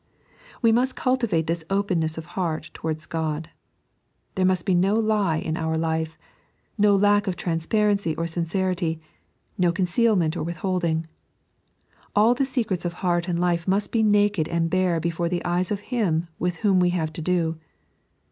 We must cultivate this openness of heart towards Cod. There must be no lie in our life, no lack of transparency or sincerity, no concealment or withholding. All the secrets of heart and hfe must he naked and bare before the eyes of Him with whom we have to do.